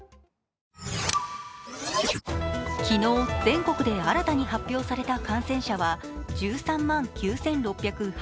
昨日、全国で新たに発表された感染者は１３万９６８７人。